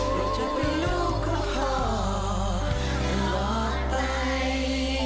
อยากจะเป็นลูกก็พอตลอดไป